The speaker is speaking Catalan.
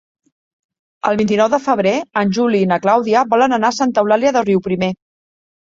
El vint-i-nou de febrer en Juli i na Clàudia volen anar a Santa Eulàlia de Riuprimer.